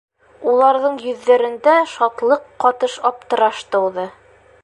Уларҙың йөҙҙәрендә шатлыҡ ҡатыш аптыраш тыуҙы.